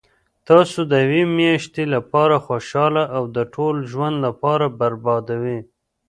تاسو د یوې میاشتي لپاره خوشحاله او د ټول ژوند لپاره بربادوي